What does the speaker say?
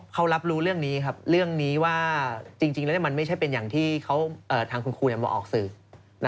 เขารับรู้เรื่องนี้ครับเรื่องนี้ว่าจริงแล้วมันไม่ใช่เป็นอย่างที่ทางคุณครูมาออกสื่อ